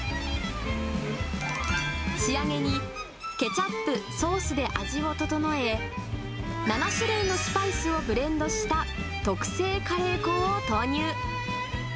仕上げに、ケチャップ、ソースで味を調え、７種類のスパイスをブレンドした特製カレー粉を投入。